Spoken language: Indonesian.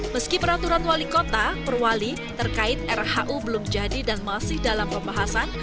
meski peraturan wali kota perwali terkait rhu belum jadi dan masih dalam pembahasan